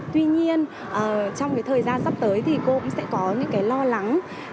tuy nhiên trong cái thời gian sắp tới thì cô cũng sẽ có những cái lo lắng